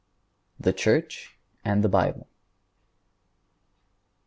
THE CHURCH AND THE BIBLE.